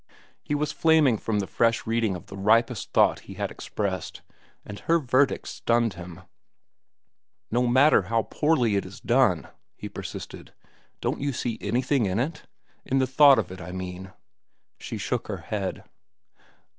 He was flaming from the fresh reading of the ripest thought he had expressed, and her verdict stunned him. "No matter how poorly it is done," he persisted, "don't you see anything in it?—in the thought of it, I mean?" She shook her head.